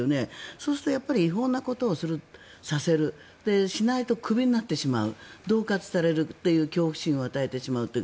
そうすると、違法なことをさせるしないとクビになってしまうどう喝されるという恐怖心を与えてしまうと。